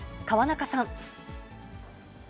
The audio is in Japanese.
河中さん。